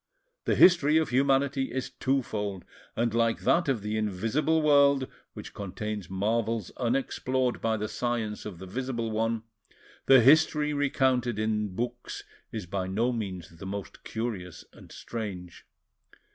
The history of humanity is twofold, and like that of the invisible world, which contains marvels unexplored by the science of the visible one, the history recounted in books is by no means the most curious and strange.